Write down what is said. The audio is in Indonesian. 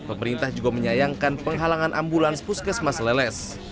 pemerintah juga menyayangkan penghalangan ambulans puskes mas leles